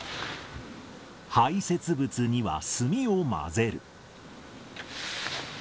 排せつ物には炭を混ぜる。